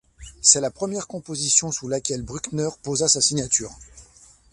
C'est la première composition, sous laquelle Bruckner posa sa signature.